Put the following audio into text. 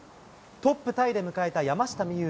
トップタイで迎えた山下美夢